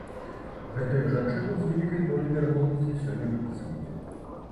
Гэтую жанчыну з вялікай доляй верагоднасці сёння выпісваюць.